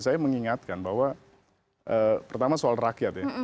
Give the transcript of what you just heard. saya mengingatkan bahwa pertama soal rakyat ya